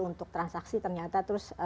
untuk transaksi ternyata terus